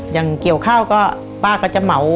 อย่างเกี่ยวข้าวก็ป้าก็จะเหมา